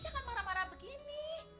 jangan marah marah begini